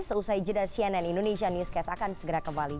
seusai jeda cnn indonesia newscast akan segera kembali